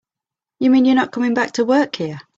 You mean you're not coming back to work here?